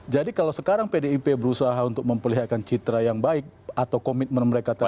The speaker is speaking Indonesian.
jadi kalau sekarang pdip berusaha untuk memperlihatkan citra yang baik atau komitmen mereka terhadap